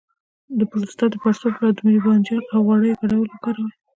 د پروستات د پړسوب لپاره د رومي بانجان او غوړیو ګډول وکاروئ